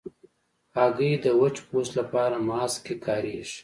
هګۍ د وچ پوست لپاره ماسک کې کارېږي.